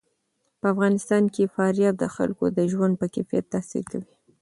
په افغانستان کې فاریاب د خلکو د ژوند په کیفیت تاثیر کوي.